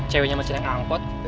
ceweknya macet yang angkot